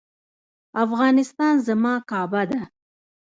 افغانستان زما کعبه ده؟